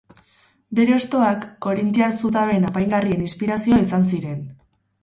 Bere hostoak korintiar zutabeen apaingarrien inspirazioa izan ziren.